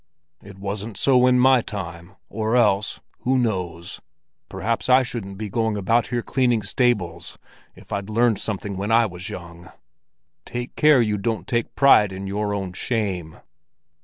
It wasn't so in my time, or else—who knows—perhaps I shouldn't be going about here cleaning stables if I'd learned something when I was young. Take care you don't take pride in your own shame!"